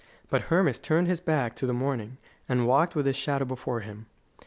But Hermas turned his back to the morning, and walked with his shadow before him.